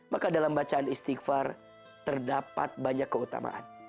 maka dalam bacaan istighfar terdapat banyak keutamaan